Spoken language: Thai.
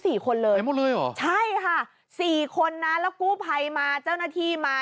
สี่คนเลยไปหมดเลยเหรอใช่ค่ะสี่คนนะแล้วกู้ภัยมาเจ้าหน้าที่มา